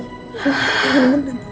aku harus ke sana